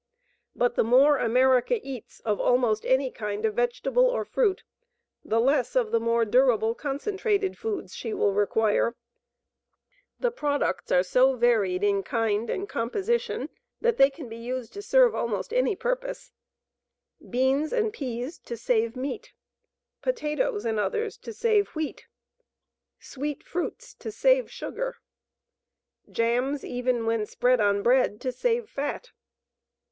But the more America eats of almost any kind of vegetable or fruit, the less of the more durable, concentrated foods will she require. The products are so varied in kind and composition that they can be used to serve almost any purpose beans and peas to save meat; potatoes and others to save wheat; sweet fruits to save sugar; jams, even, when spread on bread, to save fat.